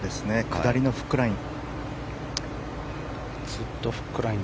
下りのフックライン。